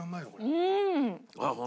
うん。